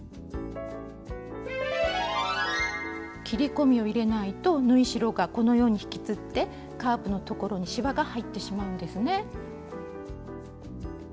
切り込みを入れないと縫い代がこのように引きつってカーブのところにしわが入ってしまうんですね。